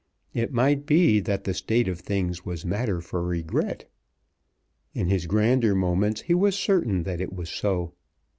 It might be that the state of things was matter for regret. In his grander moments he was certain that it was so.